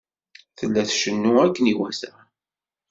Tella tcennu akken iwata.